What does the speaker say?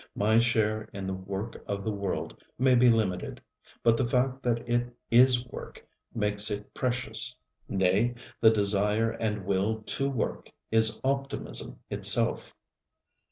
My share in the work of the world may be limited; but the fact that it is work makes it precious. Nay, the desire and will to work is optimism itself.